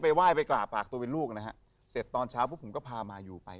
ไห้ไปกราบฝากตัวเป็นลูกนะฮะเสร็จตอนเช้าปุ๊บผมก็พามาอยู่ไป